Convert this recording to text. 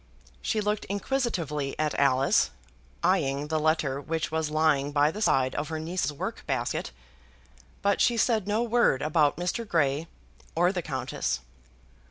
She looked inquisitively at Alice, eyeing the letter which was lying by the side of her niece's workbasket, but she said no word about Mr. Grey or the Countess.